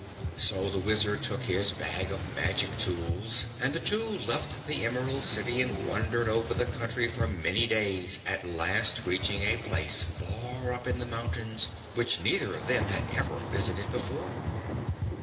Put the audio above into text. So the Wizard took his bag of magic tools and the two left the Emerald City and wandered over the country for many days, at last reaching a place far up in the mountains which neither of them had ever visited before.